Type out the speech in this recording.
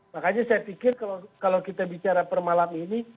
makanya saya pikir kalau kita bicara permalam ini